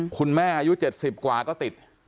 คุณแม่อายุ๗๐กว่าก็ติด